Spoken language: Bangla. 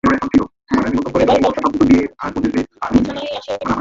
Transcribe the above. এবার কমলা বিছানায় আসিয়া যেমন শুইল অমনি তাহার দুই শ্রান্ত চক্ষু ঘুমে বুজিয়া আসিল।